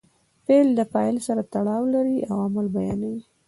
فعل د فاعل سره تړاو لري او عمل بیانوي.